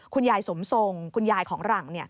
คุณยายสมทรงคุณยายของหลัง